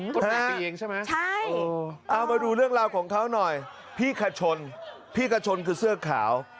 ๕ปีเองใช่ไหมใช่เอามาดูเรื่องราวของเขาหน่อยพี่ขชนพี่ขชนคือเสื้อขาว